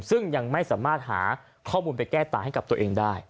ซึ่งยังไม่สามารถหาข้อมูลไปแก้ตาให้กับตัวเองได้